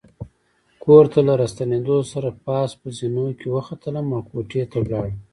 کور ته له راستنېدو سره پاس په زینو کې وختلم او کوټې ته ولاړم.